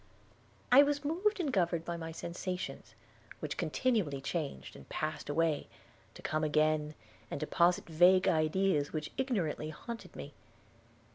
I was moved and governed by my sensations, which continually changed, and passed away to come again, and deposit vague ideas which ignorantly haunted me.